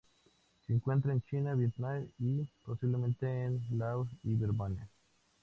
Se encuentra en China, Vietnam y, posiblemente en Laos y Birmania.